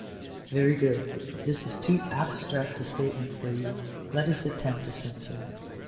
" Very good. If this is too abstract a statement for you, let us attempt a simpler one.